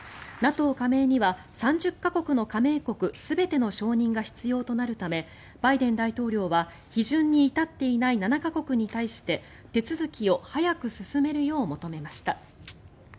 ＮＡＴＯ加盟には３０か国の加盟国全ての承認が必要となるためバイデン大統領は批准に至っていない７か国に対して手続きを早く進めるよう求めました。